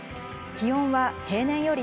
気温は平年より